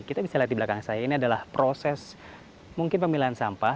kita bisa lihat di belakang saya ini adalah proses mungkin pemilihan sampah